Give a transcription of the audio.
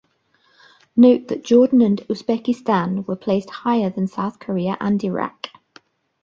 Note that Jordan and Uzbekistan were placed higher than South Korea and Iraq.